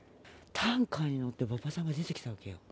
担架に乗って馬場さんが出てきたわけ。